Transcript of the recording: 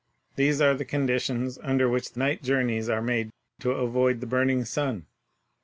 These are the conditions under which night jour neys are made to avoid the burning sun."